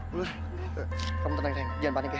mulai kamu tenang sayang jangan panik ya